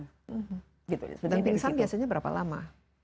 dan pingsan biasanya berapa lama